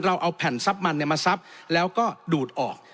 เราเอาแผ่นซับมันเนี่ยมาซับแล้วก็ดูดออก